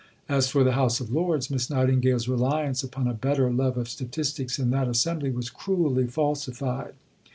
As for the House of Lords, Miss Nightingale's reliance upon a better love of statistics in that assembly was cruelly falsified.